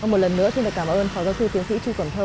một lần nữa xin cảm ơn phó giáo sư tiến sĩ truy quẩn thơ